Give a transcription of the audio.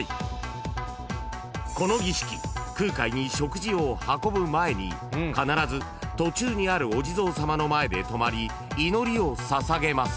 ［この儀式空海に食事を運ぶ前に必ず途中にあるお地蔵さまの前で止まり祈りを捧げます］